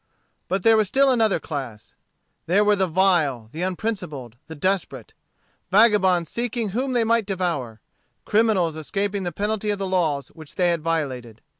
But there was still another class. There were the vile, the unprincipled, the desperate; vagabonds seeking whom they might devour; criminals escaping the penalty of the laws which they had violated.